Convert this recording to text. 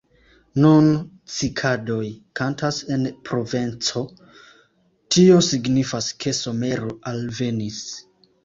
Nun cikadoj kantas en Provenco; tio signifas, ke somero alvenis.